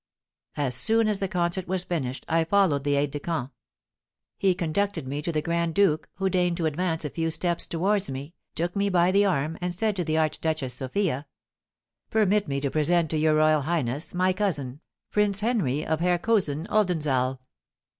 As soon as the concert was finished I followed the aide de camp; he conducted me to the grand duke, who deigned to advance a few steps towards me, took me by the arm, and said to the Archduchess Sophia: "Permit me to present to your royal highness my cousin, Prince Henry of Herkaüsen Oldenzaal."